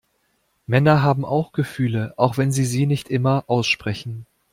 Männer haben auch Gefühle, auch wenn sie sie nicht immer aussprechen.